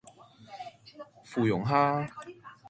芙蓉蝦